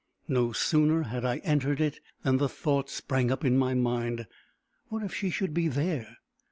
No sooner had I entered it, than the thought sprang up in my mind "What if she should be there!"